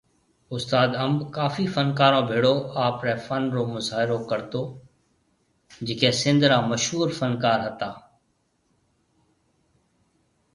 استاد انب ڪافي فنڪارون ڀيڙو آپري فن رو مظاھرو ڪرتو جڪي سنڌ را مشھور فنڪار ھتا